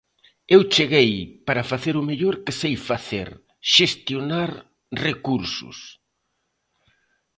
Eu cheguei para facer o mellor que sei facer: xestionar recursos.